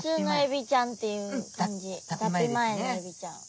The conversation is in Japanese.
脱皮前のエビちゃん。